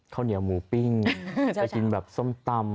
ข้าวเหนียวหมูปิ้งจะกินแบบส้มตำ